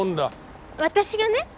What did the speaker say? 私がね。